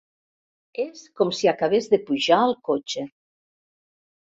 És com si acabés de pujar al cotxe.